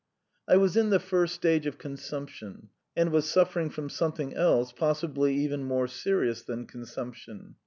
I was in the first stage of consumption, and was suffering from something else, possibly even more serious than consumption.